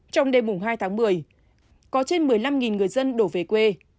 trong đêm hai tháng một mươi có trên một mươi năm người dân đổ về quê